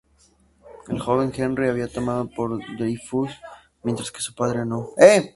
El joven Henri había tomado por Dreyfus, mientras que su padre no.